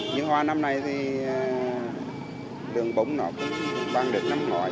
nhưng hoa năm nay thì đường bóng nó cũng vang được năm ngoái